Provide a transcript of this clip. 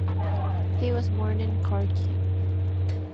He was born in Kharkiv.